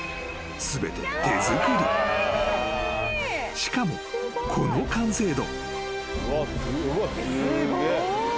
［しかもこの完成度］